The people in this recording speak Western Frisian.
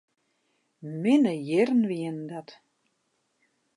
Minne jierren wienen dat.